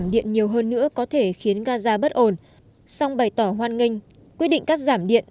điện nhiều hơn nữa có thể khiến gaza bất ổn song bày tỏ hoan nghênh quyết định cắt giảm điện